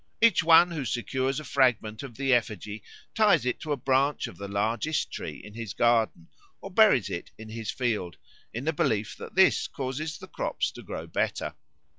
Each one who secures a fragment of the effigy ties it to a branch of the largest tree in his garden, or buries it in his field, in the belief that this causes the crops to grow better.